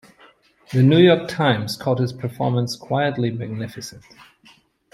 "The New York Times" called his performance "quietly magnificent.